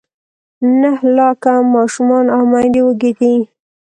نهه لاکه ماشومان او میندې وږې دي.